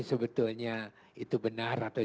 sebetulnya itu benar atau